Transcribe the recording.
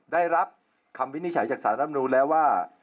ได้รับคำวินิจฉัยจากสารรับนูนแล้วว่า